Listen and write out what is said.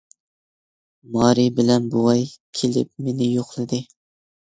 مارى بىلەن بوۋاي كېلىپ مېنى يوقلىدى.